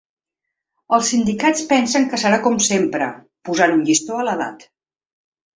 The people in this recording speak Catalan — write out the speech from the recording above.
Els sindicats pensen que serà com sempre, posant un llistó a l’edat.